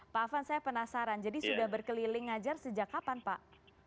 pak afan saya penasaran jadi sudah berkeliling ngajar sejak kapan pak